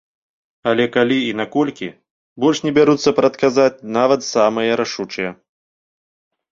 Але калі і наколькі, больш не бяруцца прадказаць нават самыя рашучыя.